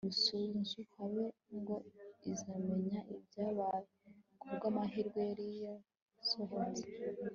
busunzu habe ngo izamenye ibyabaye! ku bw'amahirwe, yari yasohotse